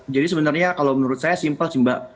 jadi sebenarnya kalau menurut saya simpel sih mbak